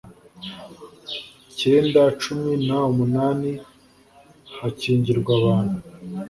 cyenda cumi n umunani hakingirwa abantu